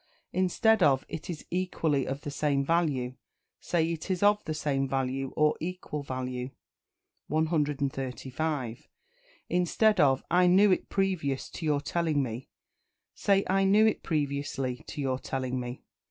Instead of "It is equally of the same value," say "It is of the same value," or "equal value." 135. Instead of "I knew it previous to your telling me," say "I knew it previously to your telling me."